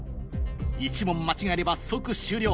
１問間違えれば即終了